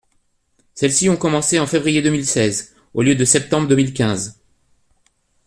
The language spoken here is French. Celles-ci ont commencé en février deux mille seize au lieu de septembre deux mille quinze.